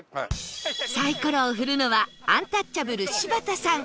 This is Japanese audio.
サイコロを振るのはアンタッチャブル柴田さん